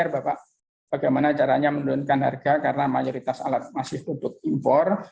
bapak bagaimana caranya menurunkan harga karena mayoritas alat masih tutup impor